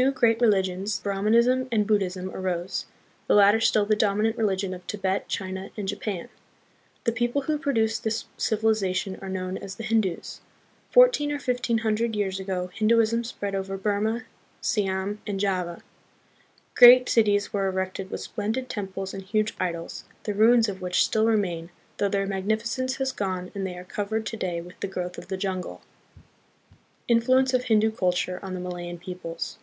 Two great religions, Brahmin ism and Buddhism, arose, the latter still the dominant religion of Tibet, China, and Japan. The people who pro duced this civilization are known as the Hindus. Fourteen or fifteen hundred years ago Hinduism spread over Burma, Siam, and Java. Great cities were erected with splendid temples and huge idols, the ruins of which still remain, though their magnificence has gone and they are covered to day with the growth of the jungle. Influence of Hindu Culture on the Malayan Peoples.